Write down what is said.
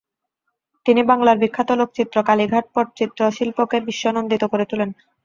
তিনি বাংলার বিখ্যাত লোকচিত্র কালীঘাট পটচিত্র শিল্পকে বিশ্বনন্দিত করে তোলেন।